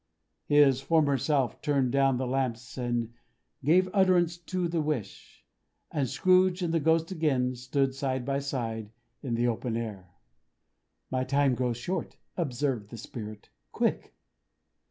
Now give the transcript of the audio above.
His former self turned down the lamps as he gave utterance to the wish: and Scrooge and the Ghost again stood side by side in the open air. "My time grows short," observed the Spirit. "Quick!"